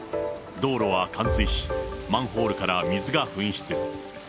道路は冠水し、マンホールから水が噴出。